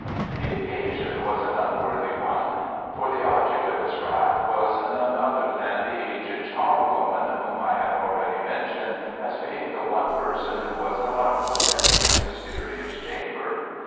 The occasion was an unworthy one, for the object of his wrath was none other than the aged charwoman whom I have already mentioned as being the one person who was allowed within his mysterious chamber.